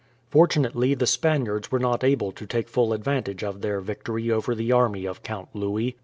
Fortunately the Spaniards were not able to take full advantage of their victory over the army of Count Louis.